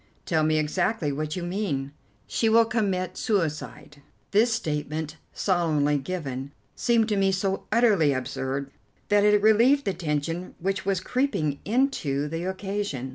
"Tell me exactly what you mean." "She will commit suicide." This statement, solemnly given, seemed to me so utterly absurd that it relieved the tension which was creeping into the occasion.